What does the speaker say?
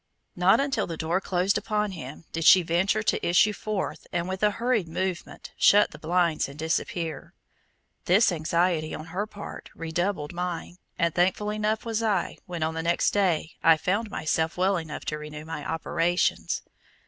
Not till the door closed upon him, did she venture to issue forth and with a hurried movement shut the blinds and disappear. This anxiety on her part redoubled mine, and thankful enough was I when on the next day I found myself well enough to renew my operations.